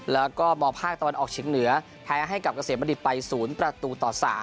แล้วก็มภาคตะวันออกเฉียงเหนือแพ้ให้กับเกษมบัณฑิตไป๐ประตูต่อ๓